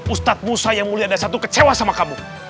ustadz musa yang mulia ada satu kecewa sama kamu